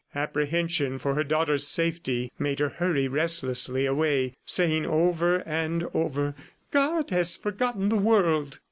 Apprehension for her daughter's safety made her hurry restlessly away, saying over and over: "God has forgotten the world.